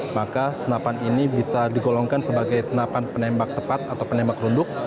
maka senapan ini bisa digolongkan sebagai senapan penembak tepat atau penembak runduk